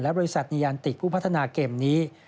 บริษัทนียันติกผู้พัฒนาเกมนี้